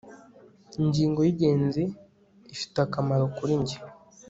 Ingingo yingenzi ifite akamaro kuri njye